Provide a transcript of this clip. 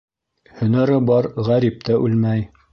Һөнәре бар ғәрип тә үлмәй.